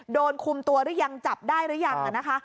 โดนคุมตัวหรือยังจับได้หรือยังนะคะ